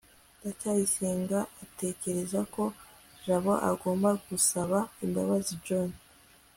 ndacyayisenga atekereza ko jabo agomba gusaba imbabazi john